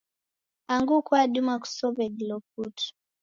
Angu kwadima kusow'e dilo putu.